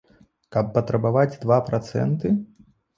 Каб патрабаваць два працэнты?